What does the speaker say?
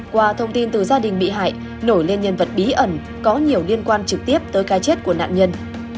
qua thông tin từ gia đình bị hại nổi lên nhân vật bí ẩn có nhiều liên quan trực tiếp tới cái chết của nạn nhân